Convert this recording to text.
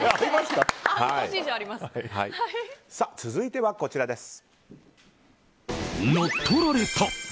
続いてはこちらです。